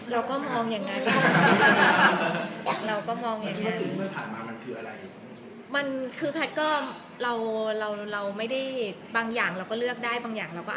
แล้วค่ะพี่แพ็คจะได้กำลังใจเยอะมาก